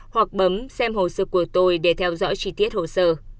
hoặc bấm xem hồ sơ của tôi để theo dõi chi tiết hồ sơ